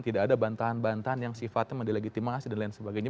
tidak ada bantahan bantahan yang sifatnya mendelegitimasi dan lain sebagainya